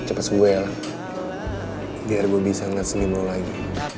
cepet sembuh ya biar gue bisa nge sleep lo lagi